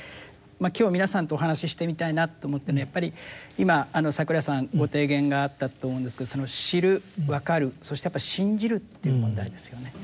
今日皆さんとお話ししてみたいなと思ってるのはやっぱり今櫻井さんご提言があったと思うんですけど知るわかるそして信じるという問題ですよね。